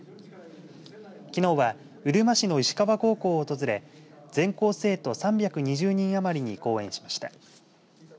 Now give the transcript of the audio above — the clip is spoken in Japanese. きのうはうるま市の石川高校を訪れ全校生徒３２０人余りに講演しました。